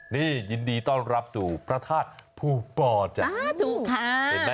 นี่ยินดีต้อนรับสู่พระธาตุภูปอล์จังถูกค่ะ